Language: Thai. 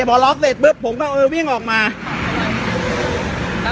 พอล็อคเสร็จปุ๊บผมก็เออวิ่งออกมาถ้ากลับเท่าไหร่ถ้า